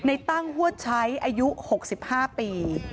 ในตั้งหัวใช้อายุ๖๕ปี